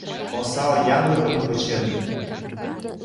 Осал янлыкым кучен!